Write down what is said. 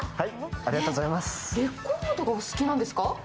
レコードがお好きなんですか？